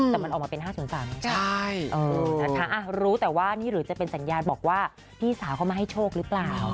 แต่มันออกมาเป็น๕๐๓ใช่นะคะรู้แต่ว่านี่หรือจะเป็นสัญญาณบอกว่าพี่สาวเขามาให้โชคหรือเปล่า